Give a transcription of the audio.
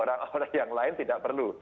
orang orang yang lain tidak perlu